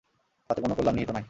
তাতে কোন কল্যাণ নিহিত নাই।